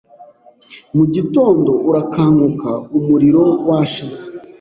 mu gitondo urakanguka umuriro washize